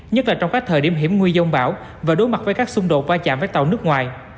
nhất là trong các thời điểm hiểm nguy dông bão và đối mặt với các xung đột va chạm với tàu nước ngoài